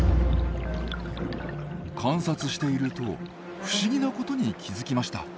観察していると不思議なことに気付きました。